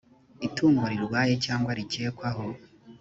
itungo rirwaye cyangwa rikekwaho